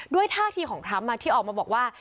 ท่าทีของทรัมป์ที่ออกมาบอกว่า